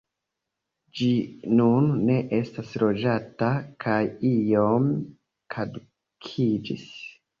Ĝi nun ne estas loĝata kaj iom kadukiĝis.